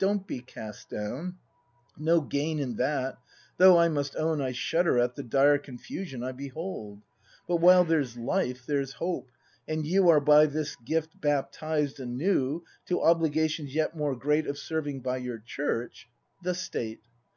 Don't be cast down; no gain in that; Though I must own I shudder at The dire confusion I behold. But while there's .=fe, there's hope, and you Are by this gift baptized anew To obligations yet more great Of serving, by your Church, the State.